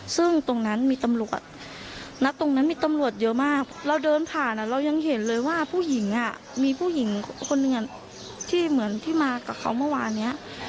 ซึ่งตรงนั้นมีตำรวจณตรงนั้นมีตำรวจเยอะมากเราเดินผ่านเรายังเห็นเลยว่าผู้หญิงมีผู้หญิงคนหนึ่งที่เหมือนที่มากับเขาเมื่อวานนี้